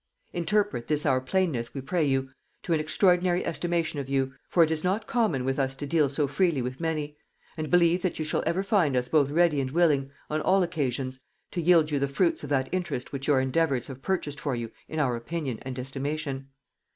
"Interpret this our plainness, we pray you, to an extraordinary estimation of you, for it is not common with us to deal so freely with many; and believe that you shall ever find us both ready and willing, on all occasions, to yield you the fruits of that interest which your endeavours have purchased for you in our opinion and estimation.